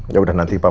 ya udah nanti papa